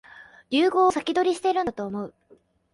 流行を先取りしてるんだと思う